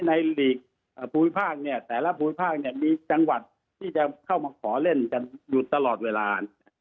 หลีกภูมิภาคเนี่ยแต่ละภูมิภาคมีจังหวัดที่จะเข้ามาขอเล่นกันอยู่ตลอดเวลา